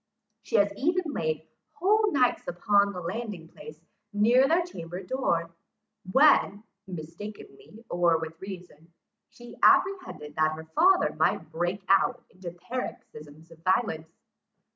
She has even laid whole nights upon the landing place near their chamber door, when, mistakenly, or with reason, she apprehended that her father might break out into paroxysms of violence.